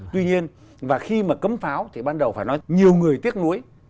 tuy nhiên và khi mà cấm pháo thì ban đầu phải nói nhiều người tiếc nuối